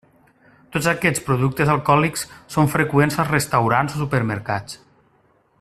Tots aquests productes alcohòlics són freqüents als restaurants o supermercats.